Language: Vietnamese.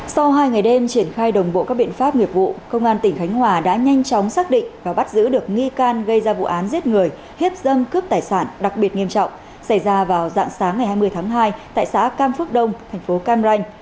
sau hai ngày đêm triển khai đồng bộ các biện pháp nghiệp vụ công an tỉnh khánh hòa đã nhanh chóng xác định và bắt giữ được nghi can gây ra vụ án giết người hiếp dâm cướp tài sản đặc biệt nghiêm trọng xảy ra vào dạng sáng ngày hai mươi tháng hai tại xã cam phước đông thành phố cam ranh